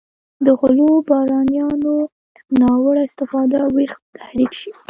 د غلو بارونیانو ناوړه استفاده ویښ او تحریک شي.